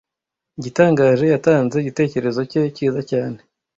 Igitangaje, yatanze igitekerezo cye cyiza cyane.